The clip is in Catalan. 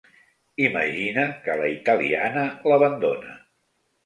Imagina que la italiana l'abandona.